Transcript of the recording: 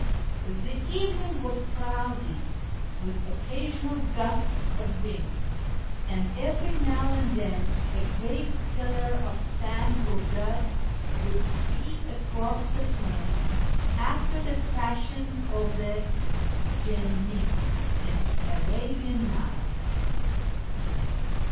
The evening was cloudy, with occasional gusts of wind, and every now and then a great pillar of sand or dust would sweep across the plain, after the fashion of the jinnis in the Arabian Nights.